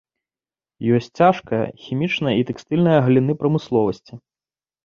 Ёсць цяжкая, хімічная і тэкстыльныя галіны прамысловасці.